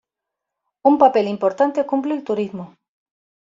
Un papel importante cumple el turismo.